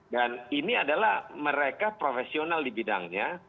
dan ini adalah mereka profesional di bidangnya